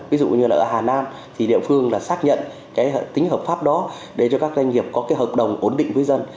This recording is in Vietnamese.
ví dụ như là ở hà nam thì địa phương xác nhận tính hợp pháp đó để cho các doanh nghiệp có hợp đồng ổn định với dân